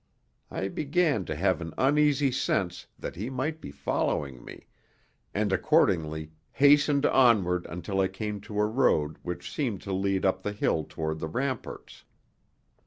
I began to have an uneasy sense that he might be following me, and accordingly hastened onward until I came to a road which seemed to lead up the hill toward the ramparts.